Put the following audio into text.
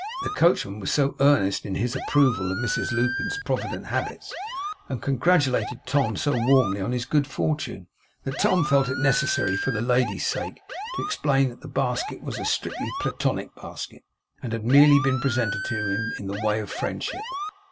The coachman was so earnest in his approval of Mrs Lupin's provident habits, and congratulated Torn so warmly on his good fortune, that Tom felt it necessary, for the lady's sake, to explain that the basket was a strictly Platonic basket, and had merely been presented to him in the way of friendship.